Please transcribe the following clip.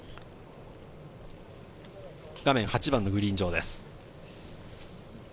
画面８番のグリーン上です。